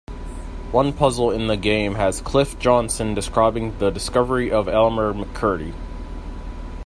One puzzle in the game has Cliff Johnson describing the discovery of Elmer McCurdy.